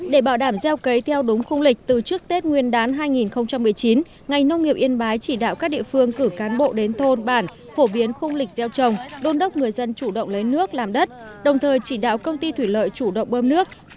để bảo đảm gieo cấy theo đúng khung lịch từ trước tết nguyên đán hai nghìn một mươi chín ngành nông nghiệp yên bái chỉ đạo các địa phương cử cán bộ đến thôn bản phổ biến khung lịch gieo trồng đôn đốc người dân chủ động lấy nước làm đất đồng thời chỉ đạo công ty thủy lợi chủ động bơm nước